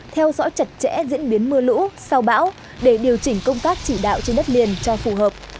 theo dõi chặt chẽ diễn biến mưa lũ sau bão để điều chỉnh công tác chỉ đạo trên đất liền cho phù hợp